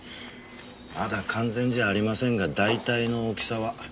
まだ完全じゃありませんが大体の大きさは。